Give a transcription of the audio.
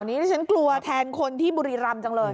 นี่ดิฉันกลัวแทนคนที่บุรีรำจังเลย